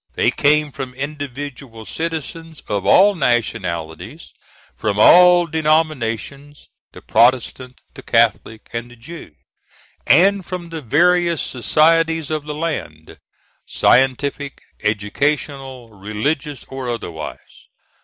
They came from individual citizens of all nationalities; from all denominations the Protestant, the Catholic, and the Jew; and from the various societies of the land scientific, educational, religious or otherwise.